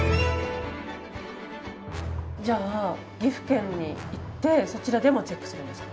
じゃあ岐阜県に行ってそちらでもチェックするんですか？